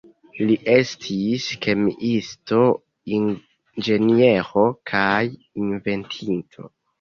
Li estis kemiisto, inĝeniero, kaj inventinto.